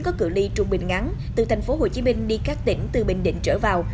có cửa ly trung bình ngắn từ tp hcm đi các tỉnh từ bình định trở vào